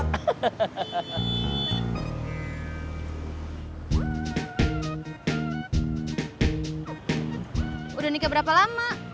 sudah nikah berapa lama